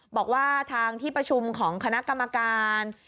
บอกว่าทางที่ประชุมของคณะกรรมการ